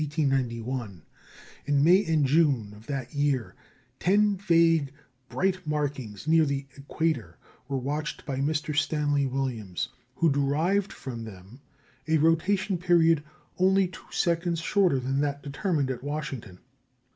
In May and June of that year, ten vague bright markings near the equator were watched by Mr. Stanley Williams, who derived from them a rotation period only two seconds shorter than that determined at Washington.